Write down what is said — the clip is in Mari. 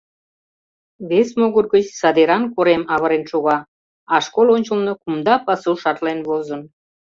Вес могыр гыч садеран корем авырен шога, а школ ончылно кумда пасу шарлен возын.